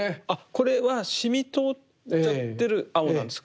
これは染み通っちゃってる青なんですか？